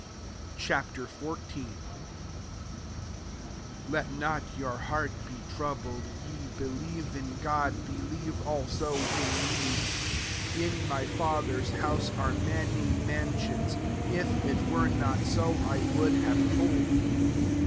Ch. XIV. 1 " Let not your heart be troubled : ye believe in God ; believe also in me. ^ In my Father's house are many mansions ; \^t were not «o, I would have told you.